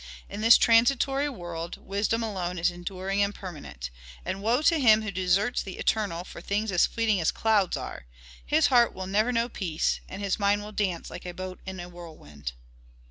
"In this transitory world wisdom alone is enduring and permanent. And woe to him who deserts the eternal for things as fleeting as clouds are. His heart will never know peace, and his mind will dance like a boat in a whirlwind."